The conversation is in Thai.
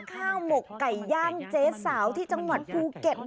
หมกไก่ย่างเจ๊สาวที่จังหวัดภูเก็ต